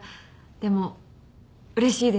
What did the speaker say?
でもうれしいです。